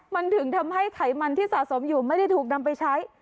มันถึงทำให้ไขมันที่สะสมอยู่ไม่ได้ถูกนำไปใช้